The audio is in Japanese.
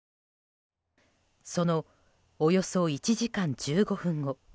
その、およそ１時間１５分後。